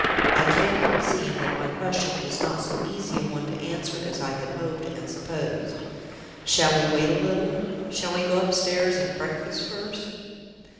"I can't help seeing that my question is not so easy a one to answer as I had hoped and supposed. Shall we wait a little? Shall we go upstairs and breakfast first?"